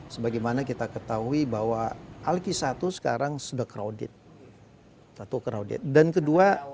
sebagaimana kita ketahui bahwa alki satu sekarang sudah crowded